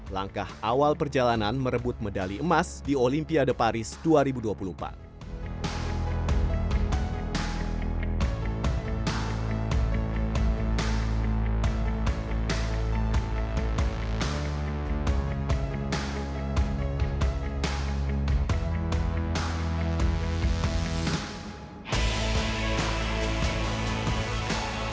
langkah awal perjalanan merebut medali emas di olimpiade paris dua ribu dua puluh empat